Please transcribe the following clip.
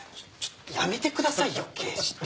やめてくださいよ刑事って。